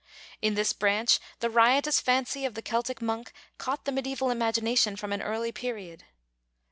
In this branch the riotous fancy of the Celtic monk caught the medieval imagination from an early period.